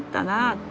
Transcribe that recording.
って。